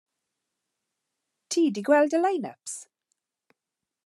Ti 'di gweld y lein-yps?